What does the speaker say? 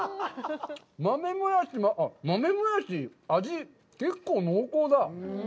豆もやし、あっ、豆もやし、味、結構濃厚だ。